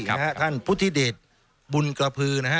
ครับครับท่านพุธิเดชบุญกระพื้นนะฮะ